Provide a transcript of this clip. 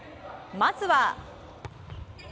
まずは。